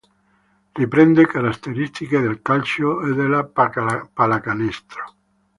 Riprende caratteristiche del calcio e della pallacanestro.